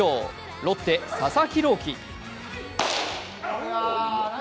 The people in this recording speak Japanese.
ロッテ・佐々木朗希。